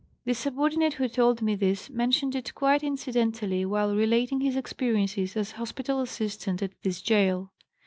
The subordinate who told me this mentioned it quite incidentally while relating his experiences as hospital assistant at this gaol.